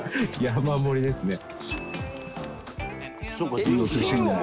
山盛りですね。